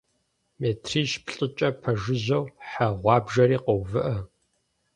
Метрищ-плӀыкӀэ пэжыжьэу хьэ гъуабжэри къоувыӀэ.